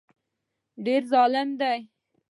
ډېر ظالم دی